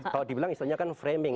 kalau dibilang istilahnya kan framing